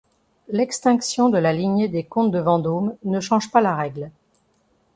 L'extinction de la lignée des comtes de Vendôme ne change pas la règle.